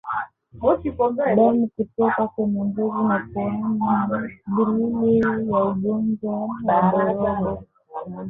Damu kutoka kwenye ngozi na puani ni dqlili ya ugonjwa wa ndorobo